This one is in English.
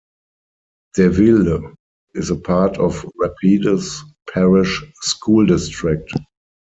Deville is a part of Rapides Parish School District.